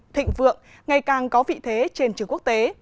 thịnh vượng ngày càng có vị thế trên trường quốc tế